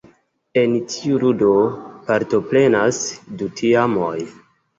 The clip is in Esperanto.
En tiu ludo partoprenas du teamoj.